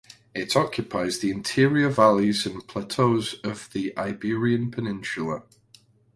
It occupies the interior valleys and plateaus of the Iberian Peninsula.